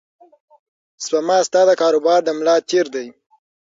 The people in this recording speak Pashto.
سپما ستا د کاروبار د ملا تیر دی.